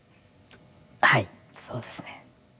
はいそうですね。